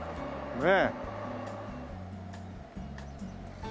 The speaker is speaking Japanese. ねえ。